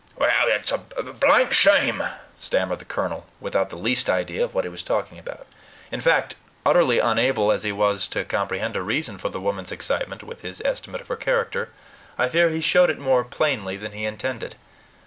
"It's a blank shame!" stammered the colonel, without the least idea of what he was talking about. In fact, utterly unable as he was to comprehend a reason for the woman's excitement, with his estimate of her character, I fear he showed it more plainly than he intended.